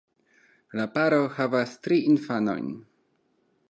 La paro havas tri infanojn.